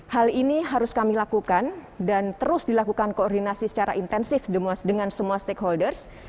hal ini harus kami lakukan dan terus dilakukan koordinasi secara intensif dengan semua stakeholders